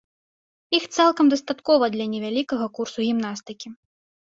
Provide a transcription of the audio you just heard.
Іх цалкам дастаткова для невялікага курсу гімнастыкі.